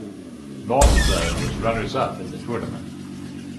North Zone was Runners up in the Tournament.